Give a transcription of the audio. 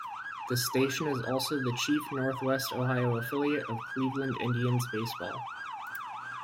The station is also the chief Northwest Ohio affiliate of Cleveland Indians baseball.